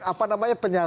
apalagi gerakan politik